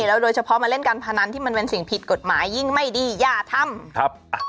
โดยเฉพาะมาเล่นการพนันที่มันเป็นสิ่งผิดกฎหมายยิ่งไม่ดีอย่าทำ